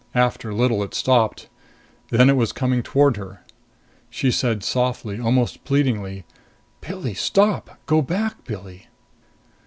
After a little it stopped. Then it was coming toward her. She said softly, almost pleadingly, "Pilli, stop! Go back, Pilli!"